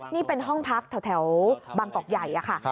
นี่เป็นห้องพักแถวบางกอกใหญ่ค่ะ